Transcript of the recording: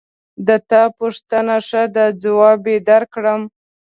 د تا پوښتنه ښه ده ځواب یې درکوم